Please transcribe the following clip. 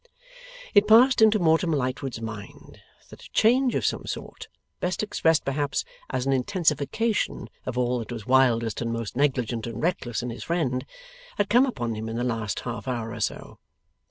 It passed into Mortimer Lightwood's mind that a change of some sort, best expressed perhaps as an intensification of all that was wildest and most negligent and reckless in his friend, had come upon him in the last half hour or so.